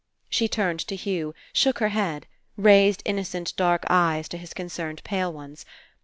She turned to Hugh. Shook her head. Raised innocent dark eyes to his concerned pale ones.